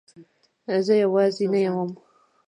زه یوازې نه وم.